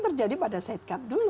terjadi pada setkap dulu